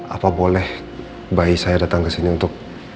apa boleh bayi saya datang ke sini untuk